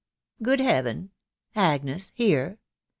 Good Heaven ! Agnes here?